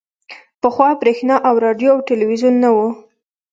پخوا برېښنا او راډیو او ټلویزیون نه وو